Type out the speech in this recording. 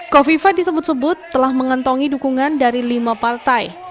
kofifa disebut sebut telah mengantongi dukungan dari lima partai